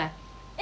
え！